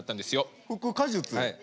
はい。